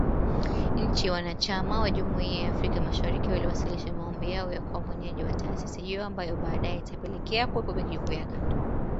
Nchi wanachama wa Jumuiya ya Afrika Mashariki waliwasilisha maombi yao ya kuwa mwenyeji wa taasisi hiyo ambayo baadae itapelekea kuwepo Benki Kuu ya kanda